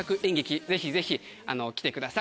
ぜひぜひ来てください